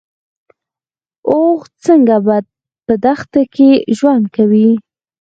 اوښ څنګه په دښته کې ژوند کوي؟